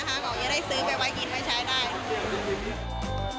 บอกอย่างนี้ได้ซื้อไปไว้กินไว้ใช้ได้